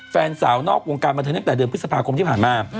แฟนสาวนอกวงการบันเทิงตั้งแต่เดือนพฤษภาคมที่ผ่านมา